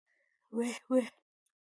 ويح ويح.